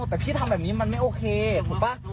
แต่พี่ทำแบบนี้มันไม่โอเคถูกป่ะ